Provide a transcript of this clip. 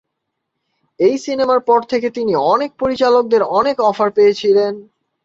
এই সিনেমার পর থেকে তিনি অনেক পরিচালকদের অনেক অফার পেয়েছিলেন।